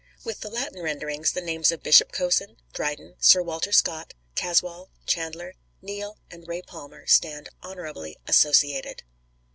With the Latin renderings the names of Bishop Cosin, Dryden, Sir Walter Scott, Caswall, Chandler, Neale, and Ray Palmer stand honourably associated.